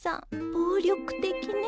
暴力的ね。